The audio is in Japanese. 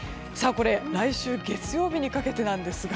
来週月曜日にかけてなんですが。